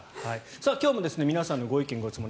今日も皆さんのご意見・ご質問